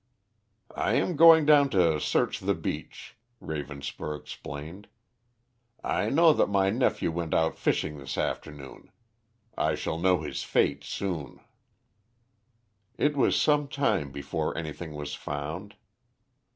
"I am going down to search the beach," Ravenspur explained. "I know that my nephew went out fishing this afternoon. I shall know his fate soon." It was some time before anything was found.